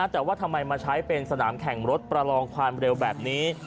แต่ว่าทำไมมาใช้เป็นสนามแข่งรถประลองความเร็วแบบนี้